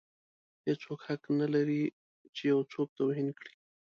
هیڅوک حق نه لري چې یو څوک توهین کړي.